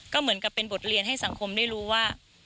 ก็เหมือนกับเป็นบทเรียนให้สังคมได้รู้ว่า